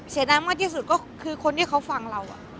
แสดงในที่สุดก็คือคนที่เขาฟังเรา